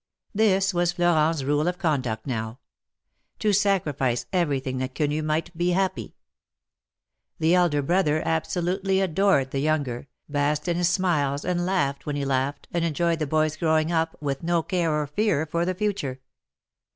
This was Florent's rule of conduct now; to sacrifice everything that Quenu might be happy. The elder brother absolutely adored the younger, basked in his smiles and laughed when he laughed, and enjoyed the boy's growing up, with no care or fear for the future.